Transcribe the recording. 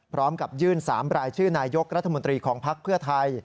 พร้อมกับยื่น๓รายชื่อนายกรัฐมนตรีของภักดิ์เพื่อไทย